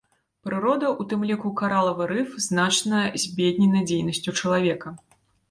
Прырода, у тым ліку каралавы рыф, значна збеднена дзейнасцю чалавека.